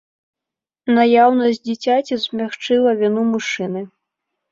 Наяўнасць дзіцяці змякчыла віну мужчыны.